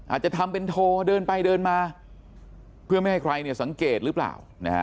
อาจจะทำเป็นโทรเดินไปเดินมาเพื่อไม่ให้ใครสังเกตหรือเปล่า